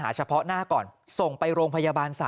ตอนนี้ขอเอาผิดถึงที่สุดยืนยันแบบนี้